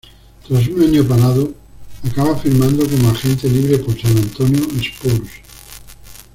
Tras un año parado, acaba firmando como agente libre por San Antonio Spurs.